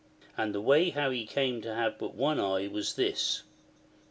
And the way how he came to have but one eye was this.